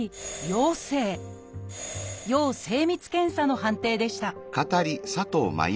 「要精密検査」の判定でした